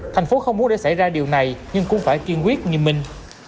tp hcm không muốn để xảy ra điều này nhưng cũng phải kiên quyết như mình